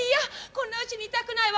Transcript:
こんなうちにいたくないわ。